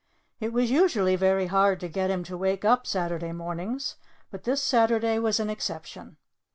It was usually very hard to get him to wake up Saturday mornings, but this Saturday was an exception.